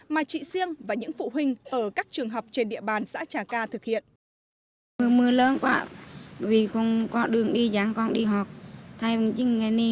mà chị siêng và những phụ huynh ở các trường học trên địa bàn xã trà ca thực hiện